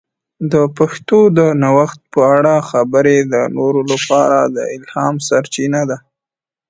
د پښتو د نوښت په اړه خبرې د نورو لپاره د الهام سرچینه ده.